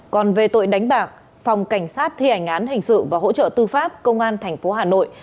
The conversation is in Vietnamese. còn về tội đánh bạc phòng cảnh sát thi hành án hình sự và hỗ trợ tư pháp công an tp hà nội